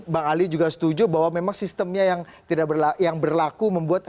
bang ali juga setuju bahwa memang sistemnya yang tidak berlaku yang berlaku membuat